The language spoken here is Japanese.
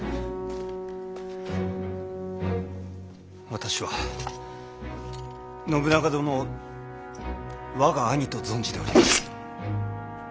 私は信長殿を我が兄と存じております。